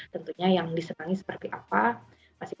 tentunya yang disenangi seperti apa itu juga yang bisa diperhatikan